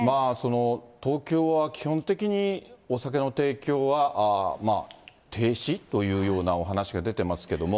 東京は基本的にお酒の提供は停止というようなお話が出てますけども。